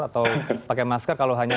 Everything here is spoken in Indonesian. atau pakai masker kalau hanya